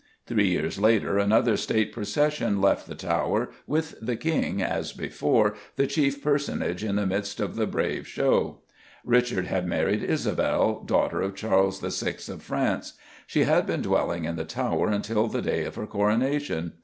Three years later another State procession left the Tower, with the King, as before, the chief personage in the midst of the brave show. Richard had married Isabel, daughter of Charles VI. of France. She had been dwelling in the Tower until the day of her coronation.